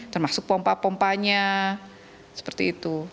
termasuk pompa pompanya seperti itu